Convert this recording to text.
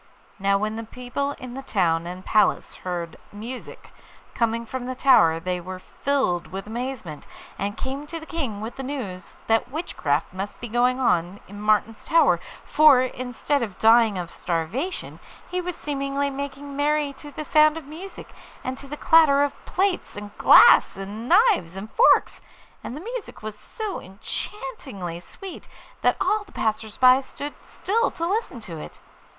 Now when the people in the town and palace heard music coming from the tower they were filled with amazement, and came to the King with the news that witchcraft must be going on in Martin's Tower, for, instead of dying of starvation, he was seemingly making merry to the sound of music, and to the clatter of plates, and glass, and knives and forks; and the music was so enchantingly sweet that all the passers by stood still to listen to it.